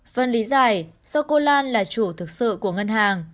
phần lý giải do cô lan là chủ thực sự của ngân hàng